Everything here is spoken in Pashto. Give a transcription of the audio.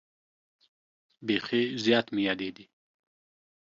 بیخي زیات مې یادېدې.